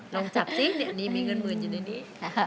ลองจับสินี่มีเงินหมื่นอยู่ในนี้